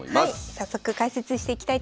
早速解説していきたいと思います。